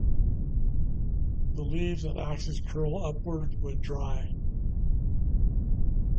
The leaves and axes curl upward when dry.